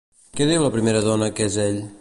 Què diu la primera dona que és ell?